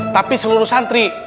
tapi seluruh santri